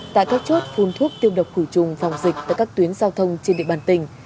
tại các chốt phun thuốc tiêu độc khử trùng phòng dịch tại các tuyến giao thông trên địa bàn tỉnh